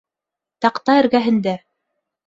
Таҡта эргәһендә